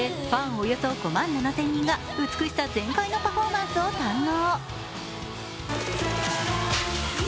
およそ５万７０００人が美しさ全開のパフォーマンスを堪能。